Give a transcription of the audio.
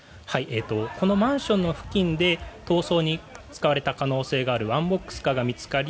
このマンションの付近で逃走に使われた可能性があるワンボックスカーが見つかり